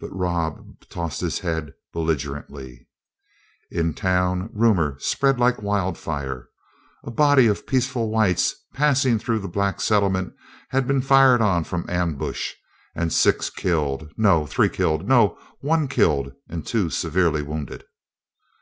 But Rob tossed his head belligerently. In town, rumor spread like wildfire. A body of peaceful whites passing through the black settlement had been fired on from ambush, and six killed no, three killed no, one killed and two severely wounded.